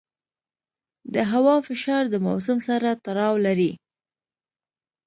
د هوا فشار د موسم سره تړاو لري.